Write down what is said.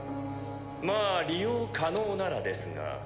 まあ利用可能ならですが。